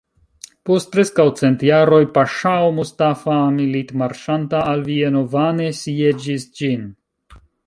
Post preskaŭ cent jaroj paŝao Mustafa, militmarŝanta al Vieno, vane sieĝis ĝin.